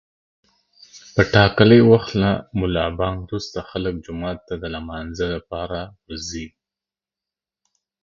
په ټاکلي وخت له ملابانګ روسته خلک جومات ته د لمانځه لپاره ورځي.